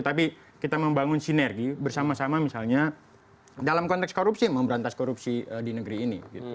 tapi kita membangun sinergi bersama sama misalnya dalam konteks korupsi memberantas korupsi di negeri ini